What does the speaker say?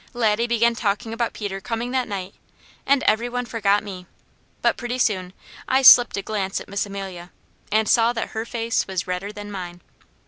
Laddie began talking about Peter coming that night, and every one forgot me, but pretty soon I slipped a glance at Miss Amelia, and saw that her face was redder than mine.